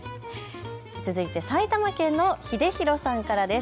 続いて埼玉県のひでひろさんからです。